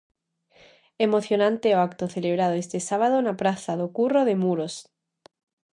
Emocionante o acto celebrado este sábado na praza do Curro de Muros.